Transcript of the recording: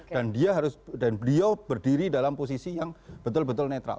dan dia harus dan beliau berdiri dalam posisi yang betul betul netral